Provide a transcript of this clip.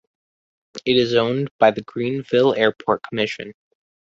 It is owned by the Greenville Airport Commission.